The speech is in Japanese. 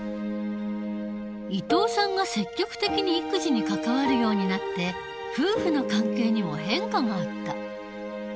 伊藤さんが積極的に育児に関わるようになって夫婦の関係にも変化があった。